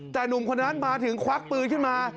แต่หนุ่มคนนั้นมาถึงควักปืนขึ้นมา